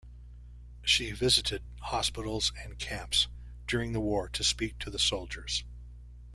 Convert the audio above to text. She visited hospitals and camps during the war to speak to the soldiers.